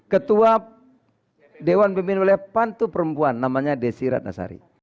ketua dewan pemimpin oleh pan itu perempuan namanya desirat nasari